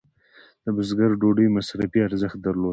د بزګر ډوډۍ مصرفي ارزښت درلود.